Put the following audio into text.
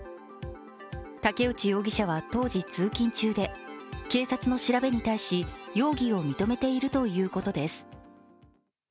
竹内容疑者は当時、通勤中で警察の調べに対し容疑を認めているということです。